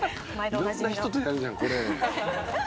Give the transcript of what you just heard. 「色んな人とやるじゃんこれ」